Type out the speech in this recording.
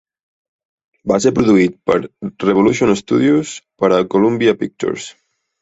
Va ser produït per Revolution Studios per a Columbia Pictures.